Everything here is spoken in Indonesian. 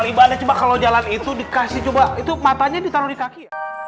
dalam reserve itu dikasih coba itu matanya ditaruh di kaki